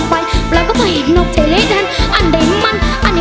แปลวเข้าไปแปลวเข้าไป